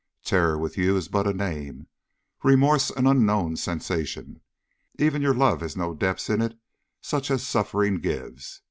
Terror with you is but a name, remorse an unknown sensation. Even your love has no depths in it such as suffering gives.